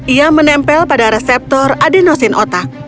ia menempel pada reseptor adenosin otak